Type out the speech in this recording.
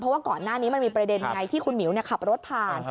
เพราะว่าก่อนหน้านี้มันมีประเด็นไงที่คุณหมิวขับรถผ่าน